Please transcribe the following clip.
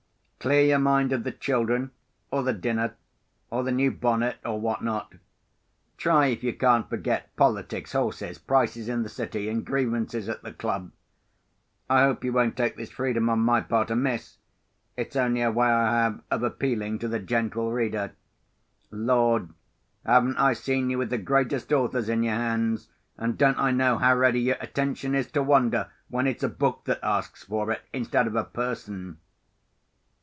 Clear your mind of the children, or the dinner, or the new bonnet, or what not. Try if you can't forget politics, horses, prices in the City, and grievances at the club. I hope you won't take this freedom on my part amiss; it's only a way I have of appealing to the gentle reader. Lord! haven't I seen you with the greatest authors in your hands, and don't I know how ready your attention is to wander when it's a book that asks for it, instead of a person?